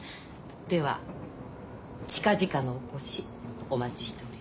では近々のお越しお待ちしております。